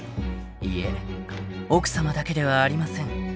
［いえ奥さまだけではありません］